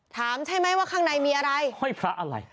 ถามใช่ไหมว่าข้างในมีอะไร